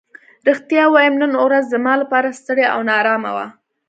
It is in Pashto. رښتیا ووایم نن ورځ زما لپاره ستړې او نا ارامه وه.